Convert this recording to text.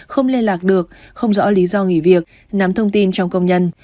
không liên lạc được không rõ lý do nghỉ việc nắm thông tin trong công nhân